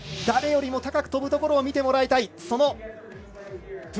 誰よりも高くとぶところを見てもらいたい。